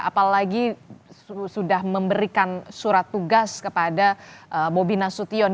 apalagi sudah memberikan surat tugas kepada bobi nasution